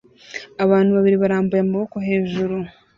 Abantu babiri barambuye amaboko hejuru